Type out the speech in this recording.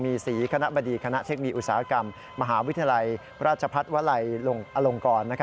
มีสีคณะบดีคณะเทคโนโลยอุตสาหกรรมมหาวิทยาลัยราชพัฒนวลัยอลงกร